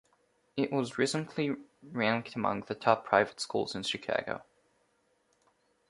It was recently ranked among the top private schools in Chicago.